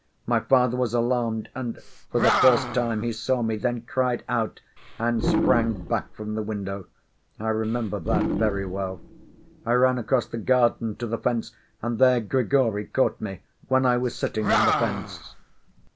My father was alarmed and, for the first time, he saw me then, cried out, and sprang back from the window. I remember that very well. I ran across the garden to the fence ... and there Grigory caught me, when I was sitting on the fence."